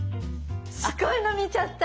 すごいの見ちゃった！